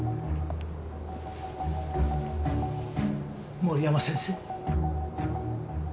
森山先生。